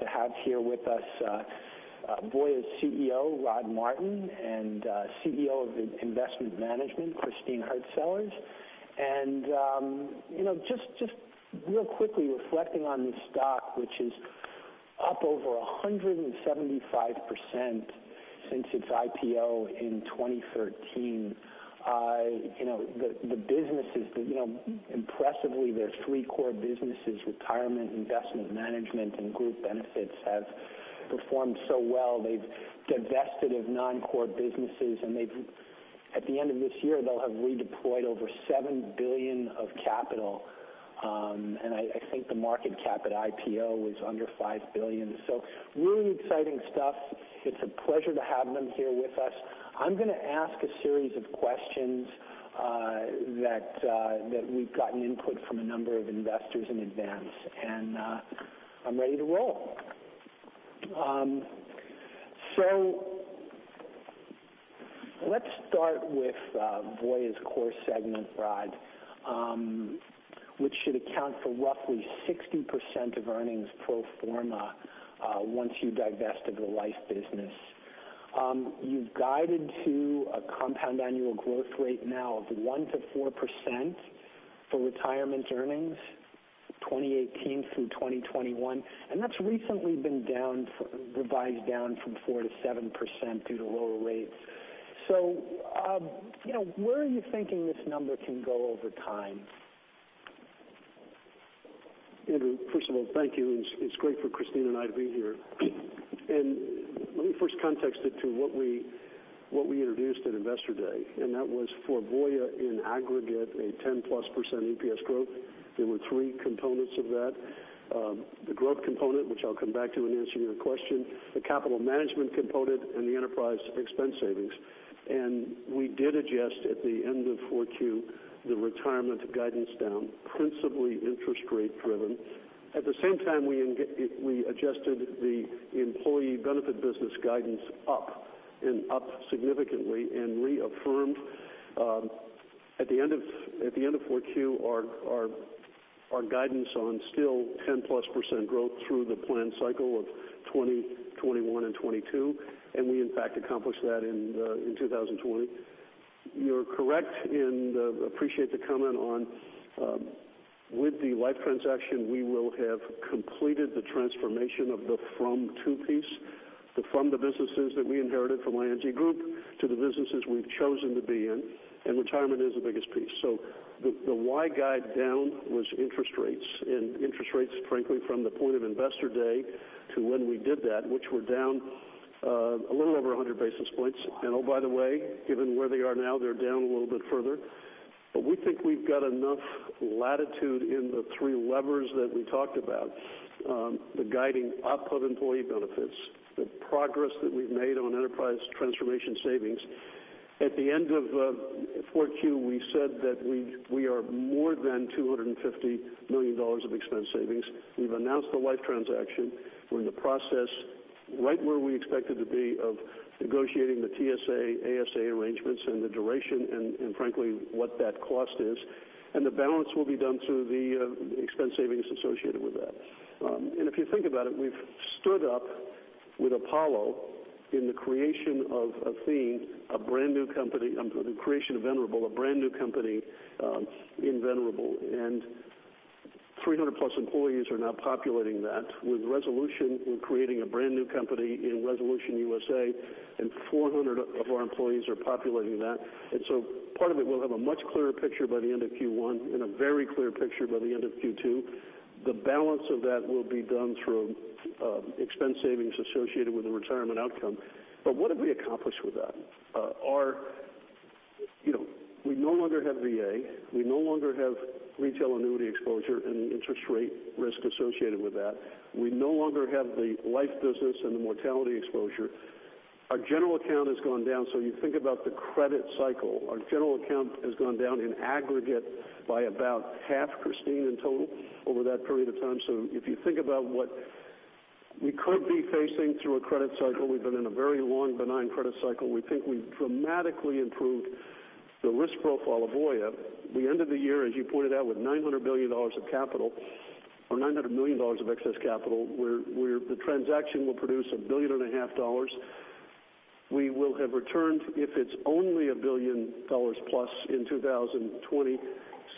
To have here with us Voya's CEO, Rod Martin, and CEO of Investment Management, Christine Hurtsellers. Just real quickly reflecting on this stock, which is up over 175% since its IPO in 2013. Impressively, their three core businesses, Retirement, Investment Management, and group benefits have performed so well. They've divested of non-core businesses, and at the end of this year, they'll have redeployed over $7 billion of capital. I think the market cap at IPO was under $5 billion. Really exciting stuff. It's a pleasure to have them here with us. I'm going to ask a series of questions that we've gotten input from a number of investors in advance. I'm ready to roll. Let's start with Voya's core segment, Rod, which should account for roughly 60% of earnings pro forma once you divested the life business. You've guided to a compound annual growth rate now of 1%-4% for retirement earnings, 2018 through 2021. That's recently been revised down from 4%-7% due to lower rates. Where are you thinking this number can go over time? Andrew, first of all, thank you. It's great for Christine and me to be here. Let me first context it to what we introduced at Investor Day, that was for Voya in aggregate, a 10-plus% EPS growth. There were three components of that. The growth component, which I'll come back to in answering your question, the capital management component, and the enterprise expense savings. We did adjust at the end of 4Q, the retirement guidance down, principally interest rate driven. At the same time, we adjusted the employee benefit business guidance up, and up significantly, and reaffirmed at the end of 4Q our guidance on still 10-plus% growth through the plan cycle of 2020, 2021, and 2022. We in fact accomplished that in 2020. You're correct, appreciate the comment on with the life transaction, we will have completed the transformation of the from two piece. The from the businesses that we inherited from ING Group to the businesses we've chosen to be in, and retirement is the biggest piece. The why guide down was interest rates, and interest rates, frankly, from the point of Investor Day to when we did that, which were down a little over 100 basis points. Oh, by the way, given where they are now, they're down a little bit further. We think we've got enough latitude in the three levers that we talked about, the guiding up of employee benefits, the progress that we've made on enterprise transformation savings. At the end of 4Q, we said that we are more than $250 million of expense savings. We've announced the life transaction. We're in the process right where we expected to be of negotiating the TSA, ASA arrangements and the duration and frankly, what that cost is. The balance will be done through the expense savings associated with that. If you think about it, we've stood up with Apollo in the creation of Athene, a brand new company, the creation of Venerable, a brand new company in Venerable, and 300+ employees are now populating that with Resolution in creating a brand new company in Resolution USA, and 400 of our employees are populating that. Part of it will have a much clearer picture by the end of Q1 and a very clear picture by the end of Q2. The balance of that will be done through expense savings associated with the retirement outcome. What have we accomplished with that? We no longer have VA, we no longer have retail annuity exposure and the interest rate risk associated with that. We no longer have the life business and the mortality exposure. Our general account has gone down. You think about the credit cycle. Our general account has gone down in aggregate by about half, Christine, in total over that period of time. If you think about what we could be facing through a credit cycle, we've been in a very long, benign credit cycle. We think we dramatically improved the risk profile of Voya. The end of the year, as you pointed out, with $900 billion of capital or $900 million of excess capital, where the transaction will produce $1.5 billion. We will have returned, if it's only $1 billion+ in 2020,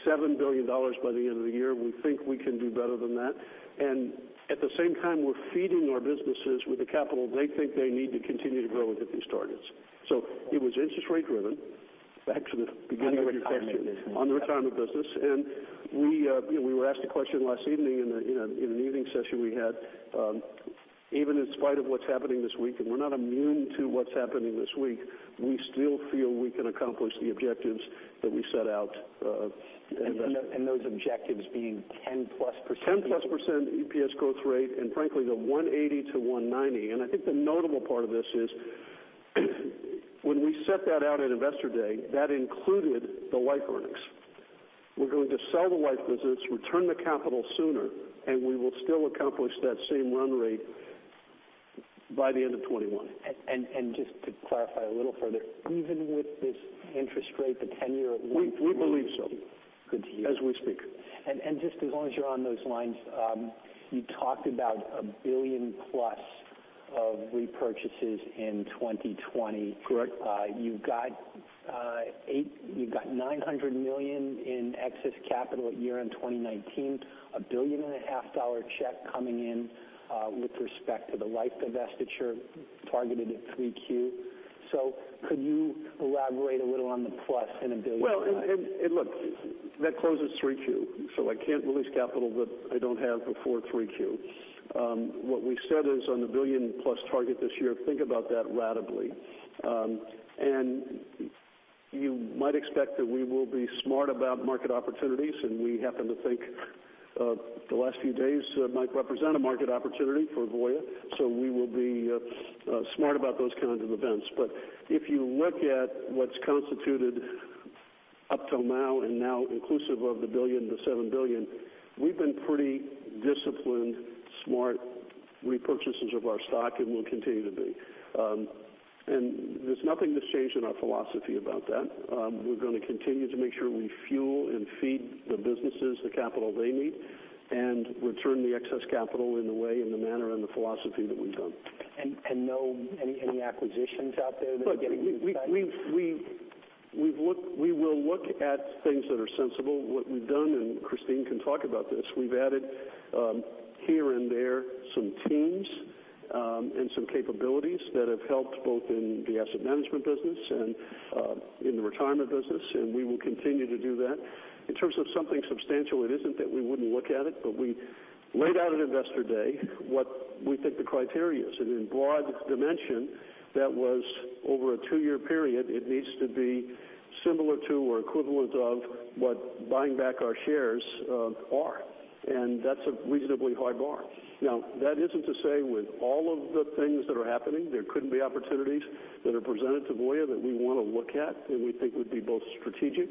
$7 billion by the end of the year. We think we can do better than that. At the same time, we're feeding our businesses with the capital they think they need to continue to grow to hit these targets. It was interest rate driven back to the beginning of your question. On the retirement business. On the retirement business. We were asked a question last evening in an evening session we had. Even in spite of what's happening this week, and we're not immune to what's happening this week, we still feel we can accomplish the objectives that we set out. Those objectives being 10-plus percent- 10-plus percent EPS growth rate and frankly, the 180 to 190. I think the notable part of this is when we set that out at Investor Day, that included the life earnings. We're going to sell the life business, return the capital sooner, and we will still accomplish that same run rate by the end of 2021. Just to clarify a little further, even with this interest rate, the 10-year at 1.3- We believe so. Good to hear. As we speak. Just as long as you're on those lines, you talked about a $1 billion plus of repurchases in 2020. Correct. You've got $900 million in excess capital at year-end 2019, a billion and a half dollar check coming in with respect to the life divestiture targeted at 3Q. Could you elaborate a little on the plus in a billion? Look, that closes 3Q, so I can't release capital that I don't have before 3Q. What we said is on the billion-plus target this year, think about that ratably. You might expect that we will be smart about market opportunities, and we happen to think the last few days might represent a market opportunity for Voya. We will be smart about those kinds of events. If you look at what's constituted up till now, and now inclusive of the billion, the $7 billion, we've been pretty disciplined, smart repurchases of our stock, and we'll continue to be. There's nothing that's changed in our philosophy about that. We're going to continue to make sure we fuel and feed the businesses the capital they need and return the excess capital in the way and the manner and the philosophy that we've done. No any acquisitions out there that are getting a deep dive? Look, we will look at things that are sensible. What we've done, Christine can talk about this, we've added here and there some teams and some capabilities that have helped both in the asset management business and in the retirement business, we will continue to do that. In terms of something substantial, it isn't that we wouldn't look at it, we laid out at Investor Day what we think the criteria is. In broad dimension, that was over a two-year period, it needs to be similar to or equivalent of what buying back our shares are. That's a reasonably high bar. Now, that isn't to say with all of the things that are happening, there couldn't be opportunities that are presented to Voya that we want to look at that we think would be both strategic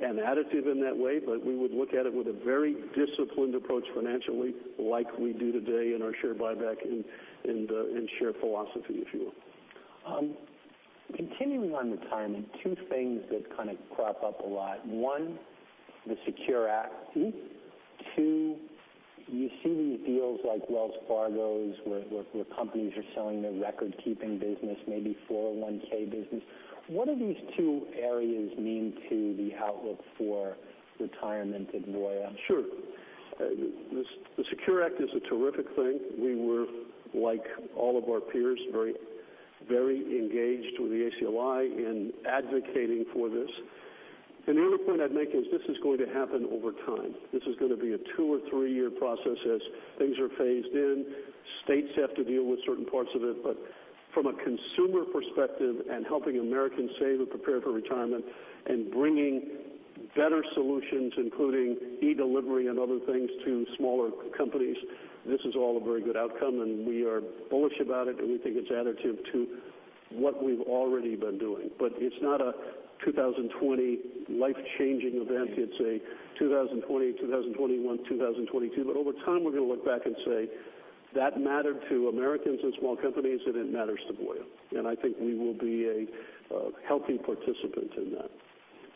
and additive in that way. We would look at it with a very disciplined approach financially like we do today in our share buyback and share philosophy, if you will. Continuing on retirement, two things that kind of crop up a lot. One, the SECURE Act. Two, you see these deals like Wells Fargo's, where companies are selling their record-keeping business, maybe 401(k) business. What do these two areas mean to the outlook for retirement at Voya? Sure. The SECURE Act is a terrific thing. We were, like all of our peers, very engaged with the ACLI in advocating for this. The other point I'd make is this is going to happen over time. This is going to be a two or three-year process as things are phased in. States have to deal with certain parts of it. From a consumer perspective and helping Americans save and prepare for retirement and bringing better solutions, including e-delivery and other things to smaller companies, this is all a very good outcome, and we are bullish about it, and we think it's additive to what we've already been doing. It's not a 2020 life-changing event. It's a 2020, 2021, 2022. Over time, we're going to look back and say, "That mattered to Americans and small companies, and it matters to Voya." I think we will be a healthy participant in that.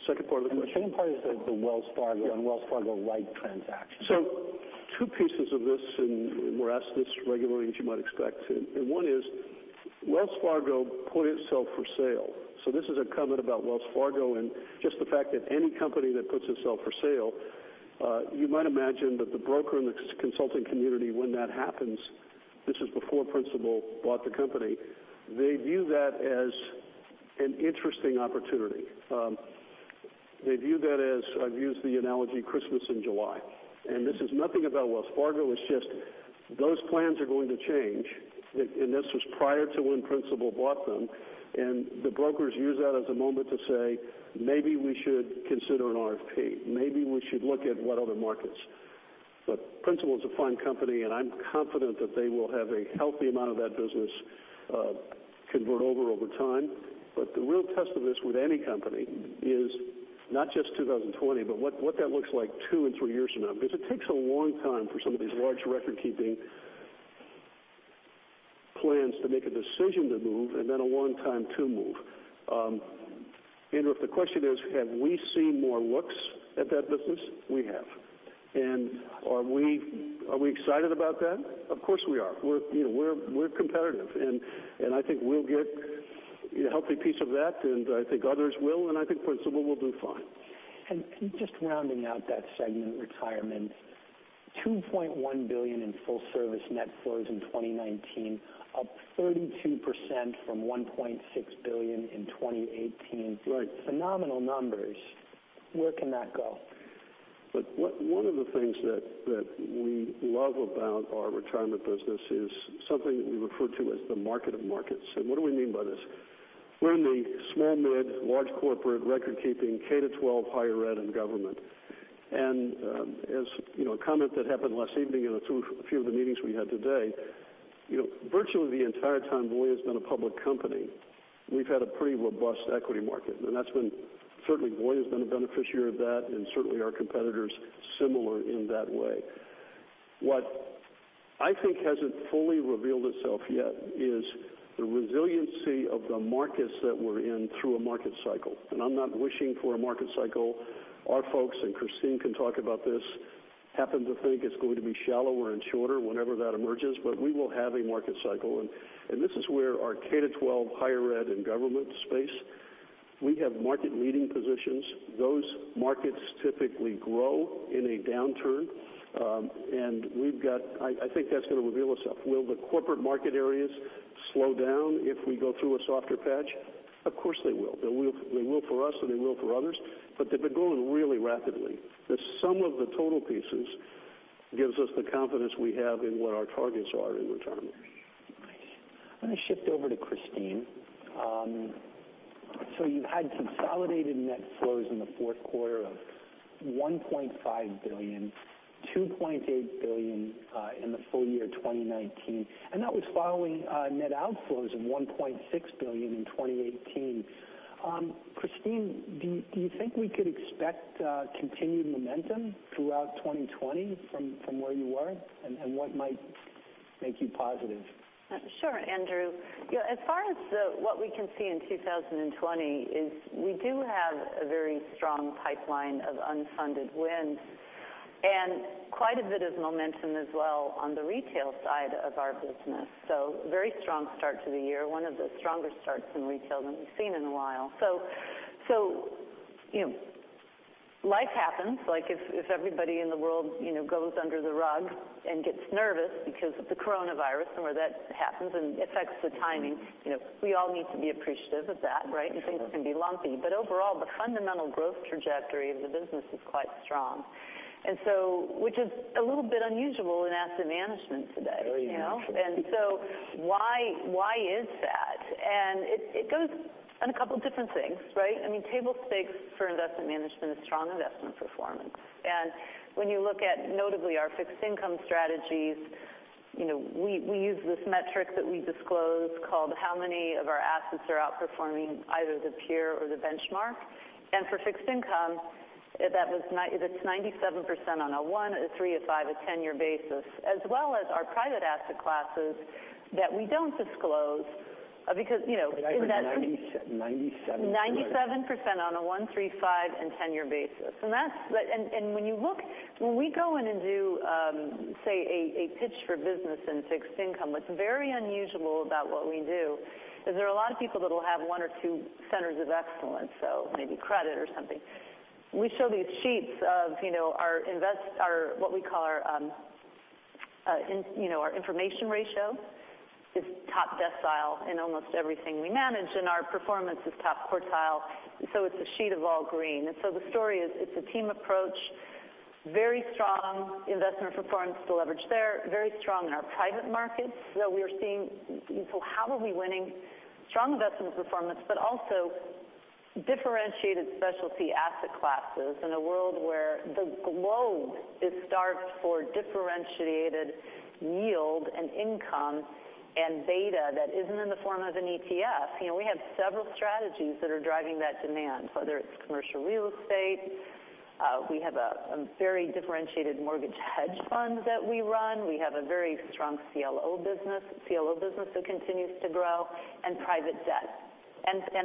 Second part of the question? The second part is the Wells Fargo life transaction. Two pieces of this, and we're asked this regularly, as you might expect. One is Wells Fargo put itself for sale. This is a comment about Wells Fargo and just the fact that any company that puts itself for sale, you might imagine that the broker and the consulting community, when that happens, this is before Principal bought the company, they view that as an interesting opportunity. They view that as, I've used the analogy, Christmas in July. This is nothing about Wells Fargo, it's just those plans are going to change. This was prior to when Principal bought them. The brokers use that as a moment to say, "Maybe we should consider an RFP. Maybe we should look at what other markets." Principal is a fine company, and I'm confident that they will have a healthy amount of that business convert over over time. The real test of this with any company is not just 2020, but what that looks like two and three years from now because it takes a long time for some of these large record-keeping plans to make a decision to move and then a long time to move. Andrew, if the question is have we seen more looks at that business? We have. Are we excited about that? Of course, we are. We're competitive, and I think we'll get a healthy piece of that, and I think others will, and I think Principal will do fine. Just rounding out that segment, Retirement, $2.1 billion in full service net flows in 2019, up 32% from $1.6 billion in 2018. Right. Phenomenal numbers. Where can that go? Look, one of the things that we love about our Retirement business is something that we refer to as the market of markets. What do we mean by this? We're in the small, mid, large corporate record keeping, K to 12, higher ed, and government. As a comment that happened last evening in a few of the meetings we had today, virtually the entire time Voya's been a public company, we've had a pretty robust equity market, and certainly Voya has been a beneficiary of that, and certainly our competitors similar in that way. What I think hasn't fully revealed itself yet is the resiliency of the markets that we're in through a market cycle. I'm not wishing for a market cycle. Our folks, Christine can talk about this, happen to think it's going to be shallower and shorter whenever that emerges, but we will have a market cycle. This is where our K to 12 higher ed in government space, we have market-leading positions. Those markets typically grow in a downturn. I think that's going to reveal itself. Will the corporate market areas slow down if we go through a softer patch? Of course, they will. They will for us, and they will for others. They've been growing really rapidly. The sum of the total pieces gives us the confidence we have in what our targets are in return. Nice. I'm going to shift over to Christine. You've had consolidated net flows in the fourth quarter of $1.5 billion, $2.8 billion in the full year 2019, and that was following net outflows of $1.6 billion in 2018. Christine, do you think we could expect continued momentum throughout 2020 from where you were, and what might make you positive? Sure, Andrew. As far as what we can see in 2020 is we do have a very strong pipeline of unfunded wins and quite a bit of momentum as well on the retail side of our business. Very strong start to the year, one of the stronger starts in retail than we've seen in a while. Life happens. If everybody in the world goes under the rug and gets nervous because of the coronavirus and where that happens and affects the timing. We all need to be appreciative of that, right? Sure. Things can be lumpy. Overall, the fundamental growth trajectory of the business is quite strong. Which is a little bit unusual in asset management today. Very unusual. Why is that? It goes on a couple of different things, right? Table stakes for investment management is strong investment performance. When you look at notably our fixed income strategies, we use this metric that we disclose called how many of our assets are outperforming either the peer or the benchmark. For fixed income, it's 97% on a one, a three, a five, a 10-year basis, as well as our private asset classes that we don't disclose because in that- 97? 97% on a one, three, five, and 10-year basis. When we go in and do, say, a pitch for business in fixed income, what's very unusual about what we do is there are a lot of people that'll have one or two centers of excellence, so maybe credit or something. We show these sheets of what we call our information ratio is top decile in almost everything we manage, and our performance is top quartile, so it's a sheet of all green. The story is it's a team approach. Very strong investment performance to leverage there. Very strong in our private markets that we are seeing. How are we winning? Strong investment performance, but also differentiated specialty asset classes in a world where the globe is starved for differentiated yield and income and beta that isn't in the form of an ETF. We have several strategies that are driving that demand, whether it's commercial real estate. We have a very differentiated mortgage hedge fund that we run. We have a very strong CLO business that continues to grow, and private debt.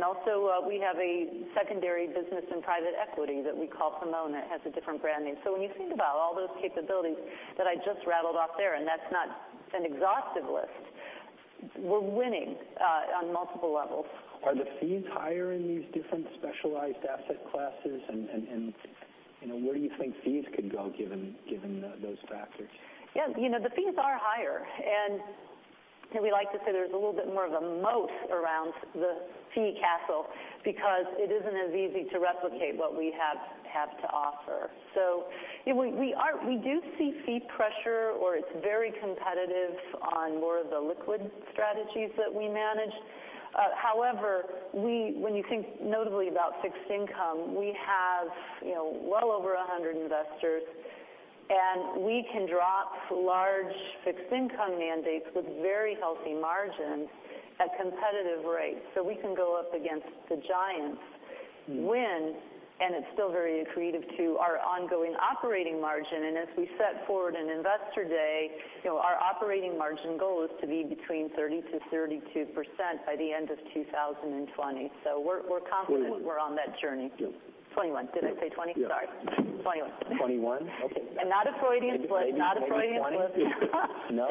Also we have a secondary business in private equity that we call Pomona. It has a different brand name. When you think about all those capabilities that I just rattled off there, and that's not an exhaustive list, we're winning on multiple levels. Are the fees higher in these different specialized asset classes? Where do you think fees could go given those factors? Yeah. The fees are higher. We like to say there's a little bit more of a moat around the fee castle because it isn't as easy to replicate what we have to offer. We do see fee pressure, or it's very competitive on more of the liquid strategies that we manage. However, when you think notably about fixed income, we have well over 100 investors, and we can drop large fixed income mandates with very healthy margins at competitive rates. We can go up against the giants, win, and it's still very accretive to our ongoing operating margin. As we set forward in Investor Day, our operating margin goal is to be between 30%-32% by the end of 2020. We're confident- '21. We're on that journey. Yeah. 2021. Did I say 2020? Yeah. Sorry. 2021. 2021? Okay. Not a Freudian slip. Maybe 2020, 2021? Not a Freudian slip. No?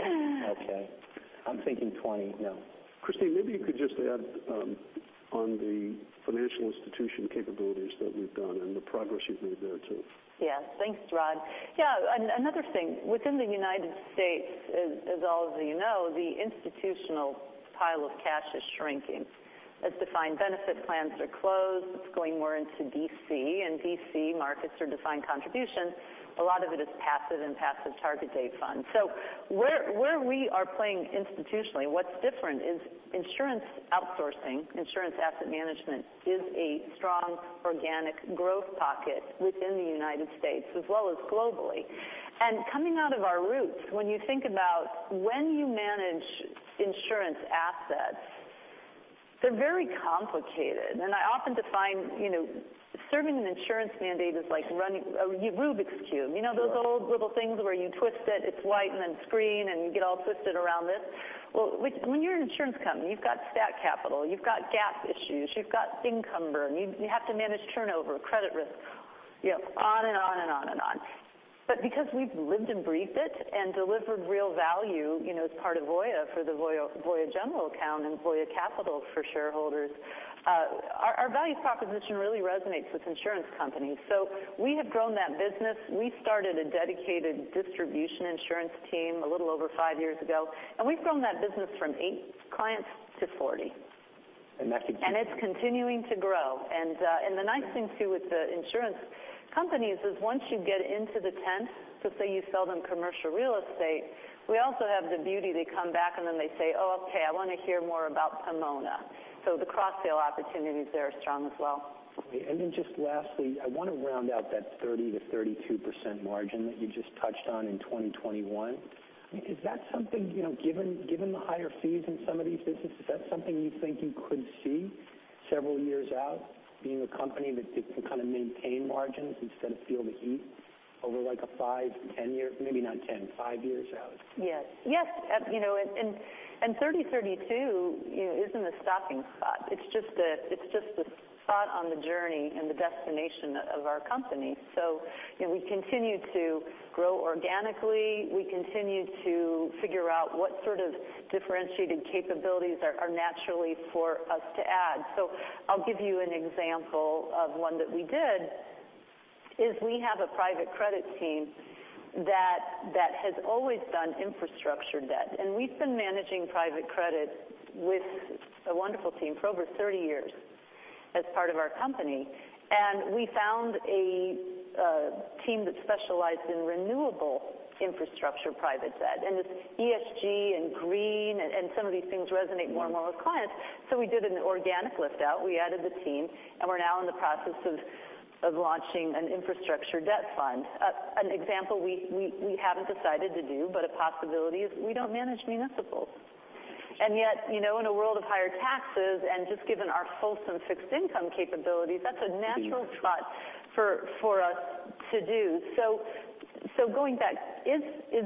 Okay. I'm thinking 2020. No. Christine, maybe you could just add on the financial institution capabilities that we've done and the progress you've made there, too. Thanks, Rod. Another thing, within the U.S., as all of you know, the institutional pile of cash is shrinking. As defined benefit plans are closed, it's going more into DC, and DC markets are defined contribution. A lot of it is passive and passive target date funds. Where we are playing institutionally, what's different is insurance outsourcing. Insurance asset management is a strong organic growth pocket within the U.S. as well as globally. Coming out of our roots, when you think about when you manage insurance assets. They're very complicated. I often define serving an insurance mandate is like running a Rubik's Cube. You know those old little things where you twist it's white and then it's green, and you get all twisted around it? When you're an insurance company, you've got stat capital, you've got GAAP issues, you've got encumber, and you have to manage turnover, credit risk, on and on and on. Because we've lived and breathed it and delivered real value as part of Voya for the Voya general account and Voya Capital for shareholders, our value proposition really resonates with insurance companies. We have grown that business. We started a dedicated distribution insurance team a little over five years ago, and we've grown that business from eight clients to 40. That's a. It's continuing to grow. The nice thing too, with the insurance companies is once you get into the tent, say you sell them commercial real estate, we also have the beauty, they come back and they say, "Oh, okay, I want to hear more about Pomona." The cross-sell opportunities there are strong as well. Lastly, I want to round out that 30%-32% margin that you just touched on in 2021. Is that something, given the higher fees in some of these businesses, is that something you think you could see several years out being a company that can maintain margins instead of feel the heat over a five, 10 year, maybe not 10, five years out? Yes. 30, 32 isn't a stopping spot. It's just a spot on the journey and the destination of our company. We continue to grow organically. We continue to figure out what sort of differentiated capabilities are naturally for us to add. I'll give you an example of one that we did, is we have a private credit team that has always done infrastructure debt, and we've been managing private credit with a wonderful team for over 30 years as part of our company. We found a team that specialized in renewable infrastructure private debt, and it's ESG and green and some of these things resonate more and more with clients. We did an organic lift-out. We added the team, and we're now in the process of launching an infrastructure debt fund. An example we haven't decided to do, but a possibility is we don't manage municipals. Yet, in a world of higher taxes and just given our wholesome fixed income capabilities, that's a natural spot for us to do. Going back, is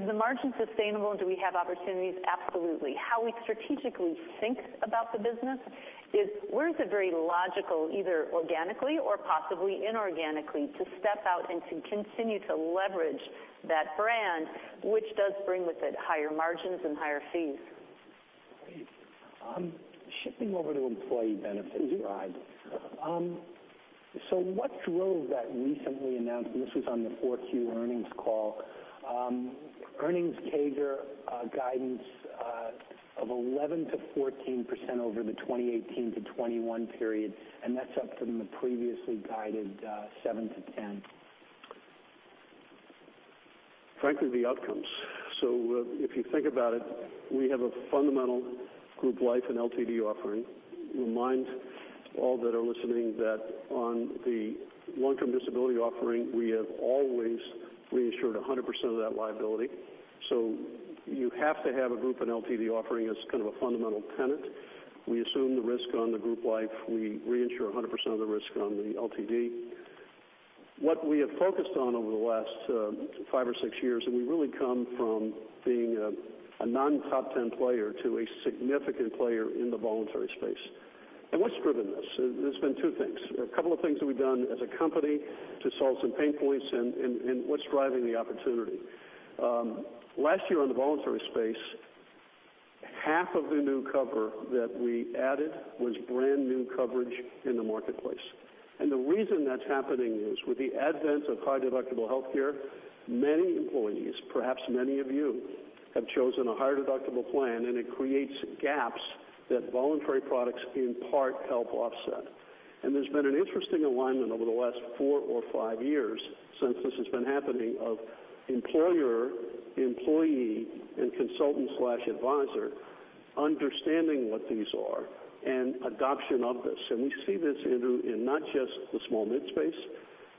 the margin sustainable, and do we have opportunities? Absolutely. How we strategically think about the business is where is it very logical, either organically or possibly inorganically, to step out and to continue to leverage that brand, which does bring with it higher margins and higher fees. Great. Shifting over to employee benefits. Right. What drove that recently announced, and this was on the 4Q earnings call, earnings CAGR guidance of 11%-14% over the 2018-2021 period, and that's up from the previously guided 7%-10%. Frankly, the outcomes. If you think about it, we have a fundamental group life and LTD offering. Remind all that are listening that on the long-term disability offering, we have always reinsured 100% of that liability. You have to have a group and LTD offering as kind of a fundamental tenet. We assume the risk on the group life. We insure 100% of the risk on the LTD. What we have focused on over the last five or six years, and we've really come from being a non-top 10 player to a significant player in the voluntary space. What's driven this? There's been two things. There are a couple of things that we've done as a company to solve some pain points and what's driving the opportunity. Last year on the voluntary space, half of the new cover that we added was brand-new coverage in the marketplace. The reason that's happening is with the advent of high-deductible healthcare, many employees, perhaps many of you, have chosen a higher deductible plan, and it creates gaps that voluntary products in part help offset. There's been an interesting alignment over the last four or five years since this has been happening of employer, employee, and consultant/advisor understanding what these are and adoption of this. We see this, Andrew, in not just the small mid space,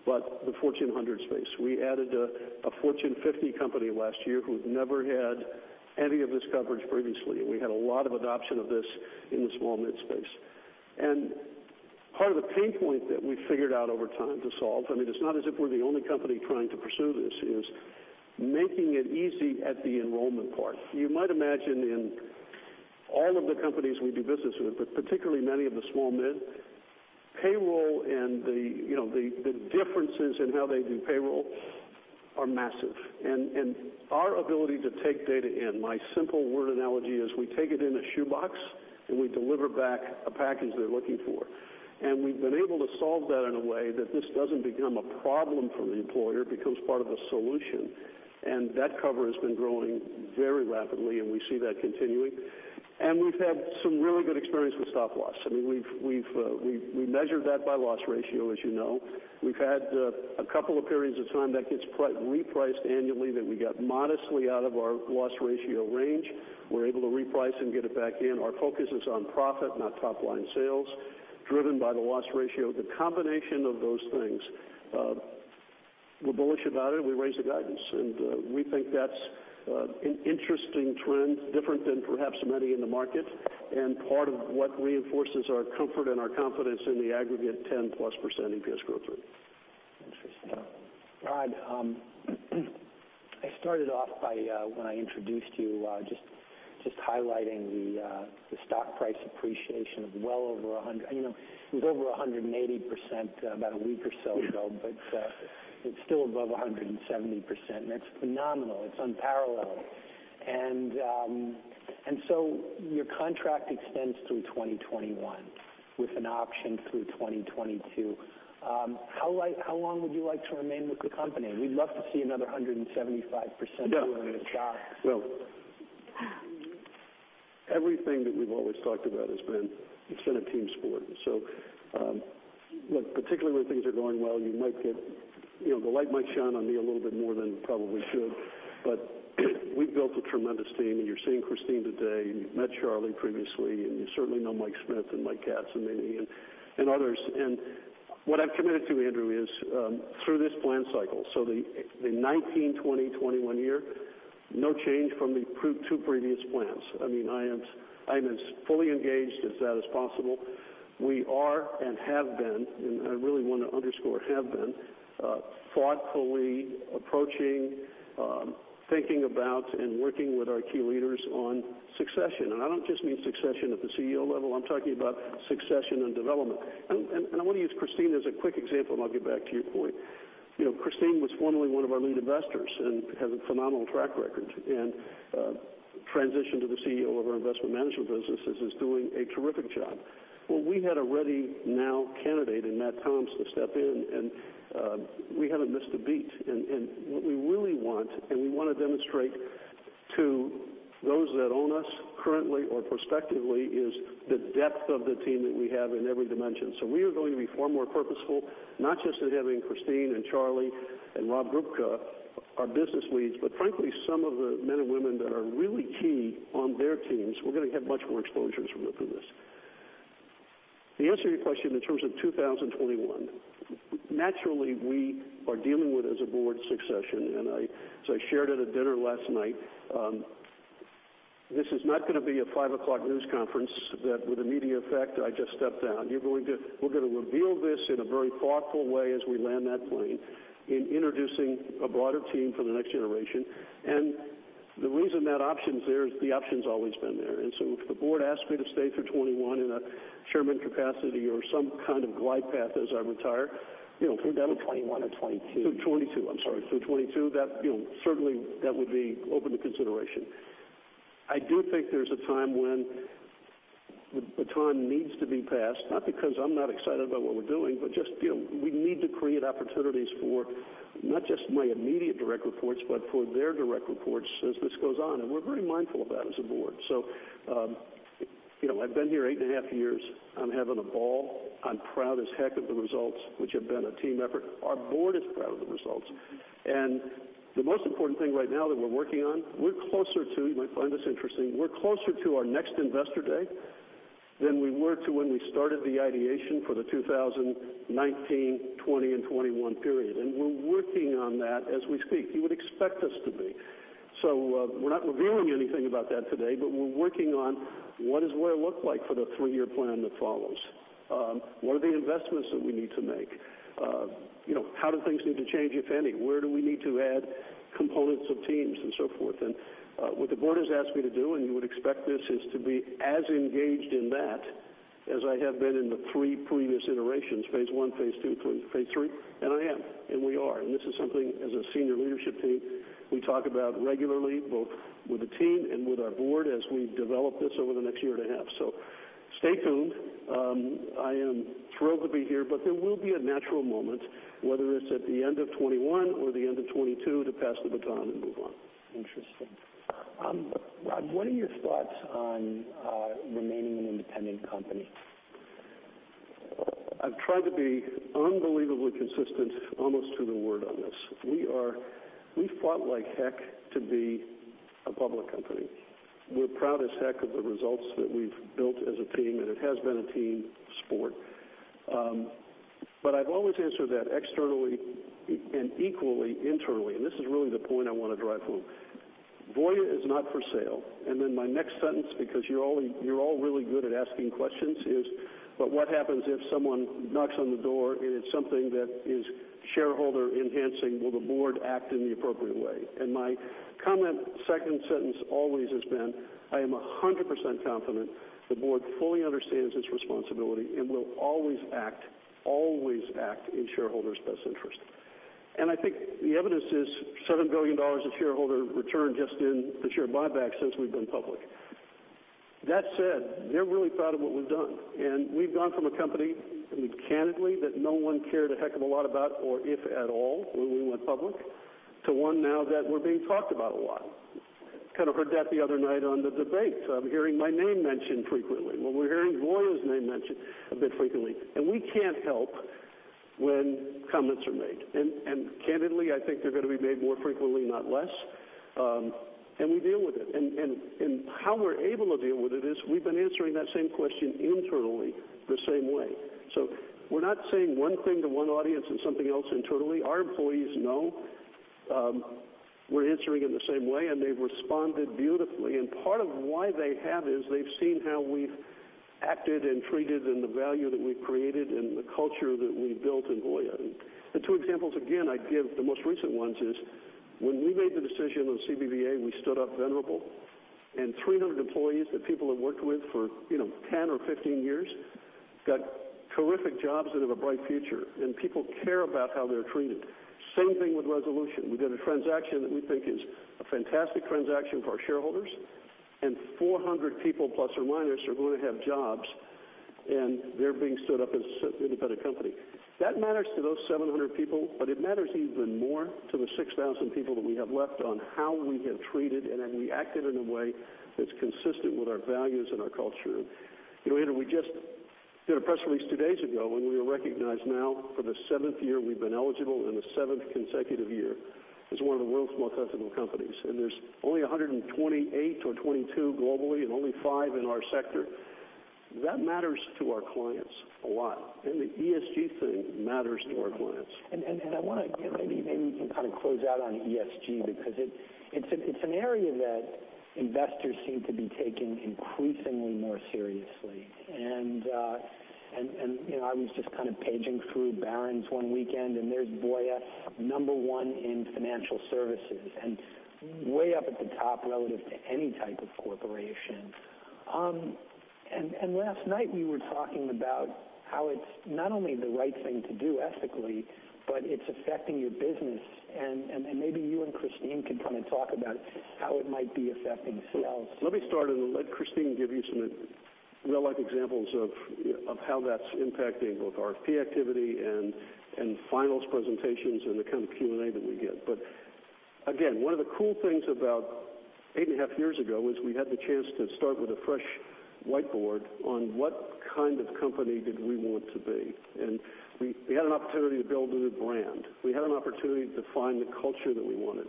but the Fortune 100 space. We added a Fortune 50 company last year who had never had any of this coverage previously. We had a lot of adoption of this in the small mid space. Part of the pain point that we figured out over time to solve, it's not as if we're the only company trying to pursue this, is making it easy at the enrollment part. You might imagine in all of the companies we do business with, but particularly many of the small-mid payroll and the differences in how they do payroll are massive. Our ability to take data in, My simple word analogy is we take it in a shoebox, and we deliver back a package they're looking for. We've been able to solve that in a way that this doesn't become a problem for the employer, it becomes part of the solution. That cover has been growing very rapidly, and we see that continuing. We've had some really good experience with stop loss. We measured that by loss ratio, as you know. We've had a couple of periods of time that gets repriced annually that we got modestly out of our loss ratio range. We're able to reprice and get it back in. Our focus is on profit, not top-line sales. Driven by the loss ratio. The combination of those things, we're bullish about it. We raised the guidance, and we think that's an interesting trend, different than perhaps many in the market, and part of what reinforces our comfort and our confidence in the aggregate 10-plus% EPS growth rate. Interesting. Rod, I started off by, when I introduced you, just highlighting the stock price appreciation of well over 100%. It was over 180% about a week or so ago, but it's still above 170%, That's phenomenal. It's unparalleled. Your contract extends through 2021 with an option through 2022. How long would you like to remain with the company? We'd love to see another 175% return in the stock. Everything that we've always talked about has been a team sport. Look, particularly when things are going well, the light might shine on me a little bit more than it probably should, but we've built a tremendous team, and you're seeing Christine today, and you've met Charlie previously, and you certainly know Mike Smith and Michael Katz and others. What I've committed to, Andrew, is through this plan cycle. The 2019, 2020, 2021 year, no change from the two previous plans. I am as fully engaged with that as possible. We are and have been, and I really want to underscore have been, thoughtfully approaching, thinking about, and working with our key leaders on succession. I don't just mean succession at the CEO level, I'm talking about succession and development. I want to use Christine as a quick example, and I'll get back to your point. Christine was formerly one of our lead investors and has a phenomenal track record, and transitioned to the CEO of our Investment Management business, is doing a terrific job. Well, we had a ready-now candidate in Matt Toms step in, and we haven't missed a beat. What we really want, and we want to demonstrate to those that own us currently or prospectively, is the depth of the team that we have in every dimension. We are going to be far more purposeful, not just in having Christine and Charlie and Rob Grubka, our business leads, but frankly, some of the men and women that are really key on their teams. We're going to get much more exposure to this. To answer your question in terms of 2021, naturally, we are dealing with, as a board, succession, and as I shared at a dinner last night, this is not going to be a 5:00 news conference that with immediate effect, I just stepped down. We're going to reveal this in a very thoughtful way as we land that plane in introducing a broader team for the next generation. The reason that option's there is the option's always been there. If the board asks me to stay through 2021 in a chairman capacity or some kind of glide path as I retire- Through 2021 or 2022. Through 2022. I'm sorry. Through 2022. Certainly, that would be open to consideration. I do think there's a time when the baton needs to be passed, not because I'm not excited about what we're doing, but just we need to create opportunities for not just my immediate direct reports, but for their direct reports as this goes on, and we're very mindful of that as a board. I've been here eight and a half years. I'm having a ball. I'm proud as heck of the results, which have been a team effort. Our board is proud of the results. The most important thing right now that we're working on, you might find this interesting, we're closer to our next Investor Day than we were to when we started the ideation for the 2019, 2020, and 2021 period. We're working on that as we speak. You would expect us to be. We're not revealing anything about that today, but we're working on what does Voya look like for the 3-year plan that follows? What are the investments that we need to make? How do things need to change, if any? Where do we need to add components of teams and so forth? What the board has asked me to do, and you would expect this, is to be as engaged in that as I have been in the 3 previous iterations, phase 1, phase 2, phase 3, and I am, and we are. This is something as a senior leadership team, we talk about regularly, both with the team and with our board as we develop this over the next year and a half. Stay tuned. I am thrilled to be here, there will be a natural moment, whether it's at the end of 2021 or the end of 2022, to pass the baton and move on. Interesting. Rod, what are your thoughts on remaining an independent company? I've tried to be unbelievably consistent, almost to the word on this. We fought like heck to be a public company. We're proud as heck of the results that we've built as a team, it has been a team sport. I've always answered that externally and equally internally, this is really the point I want to drive home. Voya is not for sale. My next sentence, because you're all really good at asking questions, is what happens if someone knocks on the door and it's something that is shareholder enhancing? Will the board act in the appropriate way? My comment, second sentence always has been, I am 100% confident the board fully understands its responsibility and will always act in shareholders' best interest. I think the evidence is $7 billion of shareholder return just in the share buyback since we've been public. That said, never really proud of what we've done. We've gone from a company, candidly, that no one cared a heck of a lot about or if at all when we went public, to one now that we're being talked about a lot. Kind of heard that the other night on the debate. I'm hearing my name mentioned frequently. We're hearing Voya's name mentioned a bit frequently, and we can't help When comments are made, and candidly, I think they're going to be made more frequently, not less. We deal with it. How we're able to deal with it is we've been answering that same question internally the same way. We're not saying one thing to one audience and something else internally. Our employees know we're answering it the same way, and they've responded beautifully. Part of why they have is they've seen how we've acted and treated and the value that we've created and the culture that we've built in Voya. The two examples, again, I give, the most recent ones is when we made the decision on CBVA, we stood up Venerable and 300 employees that people have worked with for 10 or 15 years got terrific jobs and have a bright future, and people care about how they're treated. Same thing with Resolution. We did a transaction that we think is a fantastic transaction for our shareholders, and 400 people, plus or minus, are going to have jobs, and they're being stood up as an independent company. That matters to those 700 people, but it matters even more to the 6,000 people that we have left on how we have treated and have we acted in a way that's consistent with our values and our culture. Andrew, we just did a press release two days ago. We were recognized now for the seventh year we've been eligible and the seventh consecutive year as one of the world's most ethical companies. There's only 128 or 22 globally and only five in our sector. That matters to our clients a lot. The ESG thing matters to our clients. I want to, maybe we can close out on ESG because it's an area that investors seem to be taking increasingly more seriously. I was just paging through Barron's one weekend, and there's Voya, number one in financial services, and way up at the top relative to any type of corporation. Last night, we were talking about how it's not only the right thing to do ethically, but it's affecting your business. Maybe you and Christine can talk about how it might be affecting sales. Let me start and let Christine give you some real-life examples of how that's impacting both RFP activity and finals presentations and the kind of Q&A that we get. Again, one of the cool things about 8 and a half years ago was we had the chance to start with a fresh whiteboard on what kind of company did we want to be, and we had an opportunity to build a new brand. We had an opportunity to define the culture that we wanted.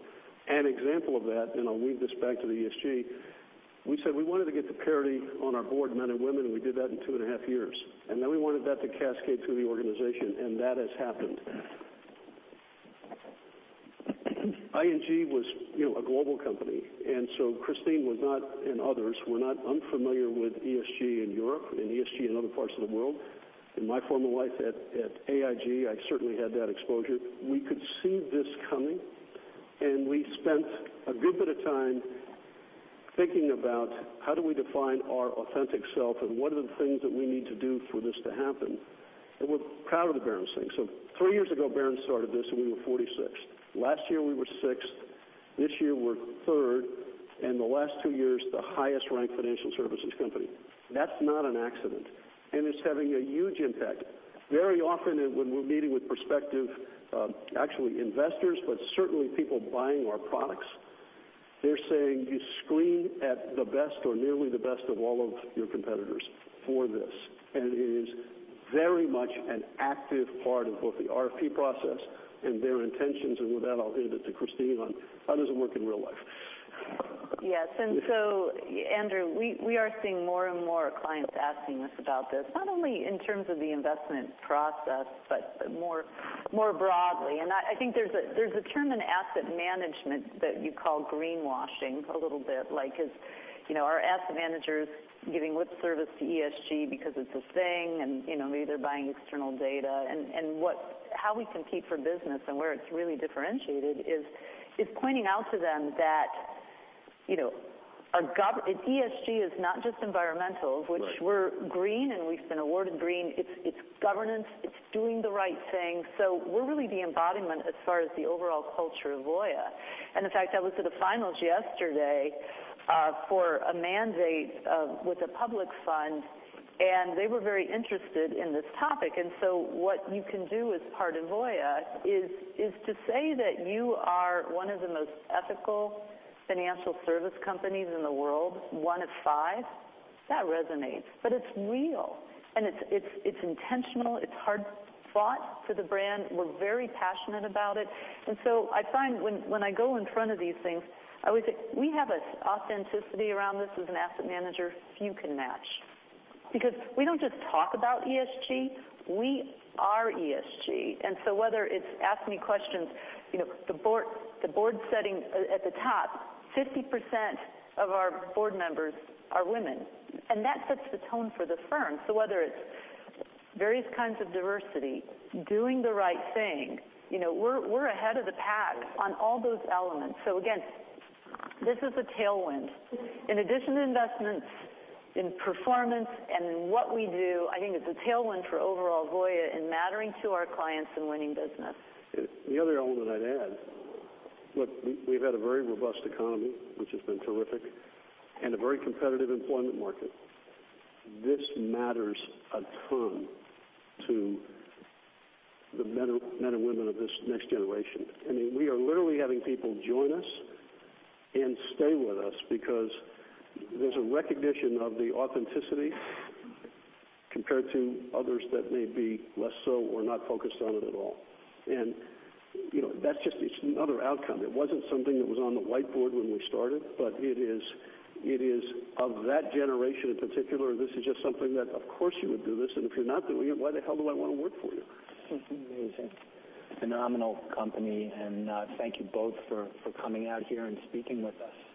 An example of that, I'll weave this back to the ESG, we said we wanted to get to parity on our board, men and women, and we did that in 2 and a half years. Then we wanted that to cascade through the organization, that has happened. ING was a global company, Christine was not, and others, were not unfamiliar with ESG in Europe and ESG in other parts of the world. In my former life at AIG, I certainly had that exposure. We could see this coming, and we spent a good bit of time thinking about how do we define our authentic self and what are the things that we need to do for this to happen. We're proud of the Barron's thing. 3 years ago, Barron's started this, we were 46th. Last year, we were sixth. This year, we're third, the last 2 years, the highest-ranked financial services company. That's not an accident. It's having a huge impact. Very often when we're meeting with prospective, actually investors, but certainly people buying our products, they're saying you screen at the best or nearly the best of all of your competitors for this. It is very much an active part of both the RFP process and their intentions. With that, I'll hand it to Christine on how does it work in real life. Yes. Andrew, we are seeing more and more clients asking us about this, not only in terms of the investment process but more broadly. I think there's a term in asset management that you call greenwashing a little bit. Like as our asset managers giving lip service to ESG because it's a thing and maybe they're buying external data. How we compete for business and where it's really differentiated is pointing out to them that ESG is not just environmental- Right which we're green, and we've been awarded green. It's governance. It's doing the right thing. We're really the embodiment as far as the overall culture of Voya. In fact, I was at a finals yesterday for a mandate with a public fund, and they were very interested in this topic. What you can do as part of Voya is to say that you are one of the most ethical financial service companies in the world, one of five, that resonates. It's real, and it's intentional. It's hard-fought for the brand. We're very passionate about it. I find when I go in front of these things, I always say we have an authenticity around this as an asset manager few can match. Because we don't just talk about ESG, we are ESG. Whether it's ask me questions, the board setting at the top, 50% of our board members are women. That sets the tone for the firm. Whether it's various kinds of diversity, doing the right thing, we're ahead of the pack on all those elements. Again, this is a tailwind. In addition to investments in performance and in what we do, I think it's a tailwind for overall Voya in mattering to our clients and winning business. The other element I'd add, look, we've had a very robust economy, which has been terrific, and a very competitive employment market. This matters a ton to the men and women of this next generation. I mean, we are literally having people join us and stay with us because there's a recognition of the authenticity compared to others that may be less so or not focused on it at all. That's just another outcome. It wasn't something that was on the whiteboard when we started, but it is of that generation in particular, this is just something that, of course, you would do this, and if you're not doing it, why the hell do I want to work for you? Amazing. Phenomenal company. Thank you both for coming out here and speaking with us.